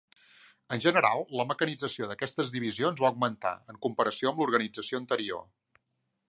En general, la mecanització d'aquestes divisions va augmentar, en comparació amb l'organització anterior.